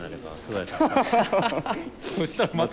そしたらまた。